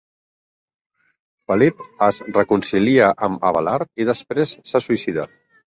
Felip es reconcilia amb Abelard i després se suïcida.